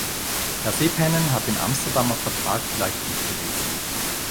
Herr Seppänen hat den Amsterdamer Vertrag vielleicht nicht gelesen.